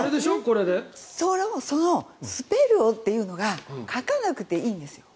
そのスペルをというのが書かなくていいんですよ。